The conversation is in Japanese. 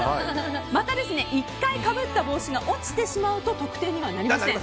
また、１回かぶった帽子が落ちてしまうと得点にはなりません。